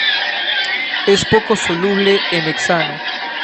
Es poco soluble en hexano.